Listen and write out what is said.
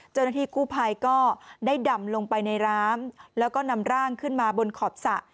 เจ้าหน้าที่กู้ภัยก็ได้ดำลงไปในน้ำแล้วก็นำร่างขึ้นมาบนขอบสระ